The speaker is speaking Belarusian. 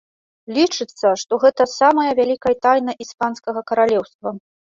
Лічыцца, што гэта самая вялікая тайна іспанскага каралеўства.